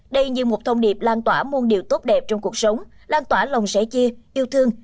đây như một thông điệp lan tỏa muôn điều tốt đẹp trong cuộc sống lan tỏa lòng sẻ chia yêu thương